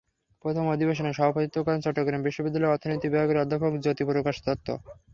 প্রথম অধিবেশনে সভাপতিত্ব করেন চট্টগ্রাম বিশ্ববিদ্যালয়ের অর্থনীতি বিভাগের অধ্যাপক জ্যোতি প্রকাশ দত্ত।